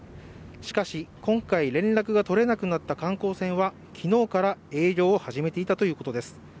しかし今回、連絡が取れなくなった観光船は昨日から営業を始めていたということです。